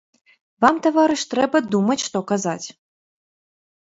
Вам, таварыш, трэба думаць, што казаць.